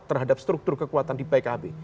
terhadap struktur kekuatan di pkb